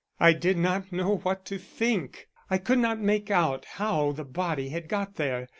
I did not know what to think I could not make out how the body had got there.